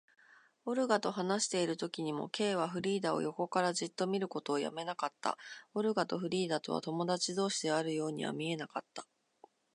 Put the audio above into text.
オルガと話しているときにも、Ｋ はフリーダを横からじっと見ることをやめなかった。オルガとフリーダとは友だち同士であるようには見えなかった。